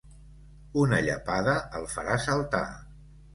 Una llepada el farà saltar.